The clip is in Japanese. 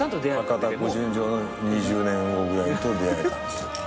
『博多っ子純情』の２０年後ぐらいと出会えたんですよ。